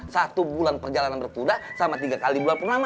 satu bulan perjalanan bertuda sama tiga kali bulan purnama